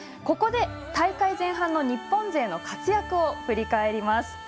ここで大会前半の日本勢の活躍を振り返ります。